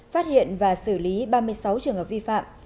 phát hiện và xử lý ba mươi sáu trường hợp vi phạm